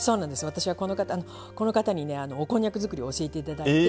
私はこの方にねおこんにゃく作りを教えていただいて。